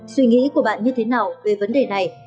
suy nghĩ của bạn như thế nào về vấn đề này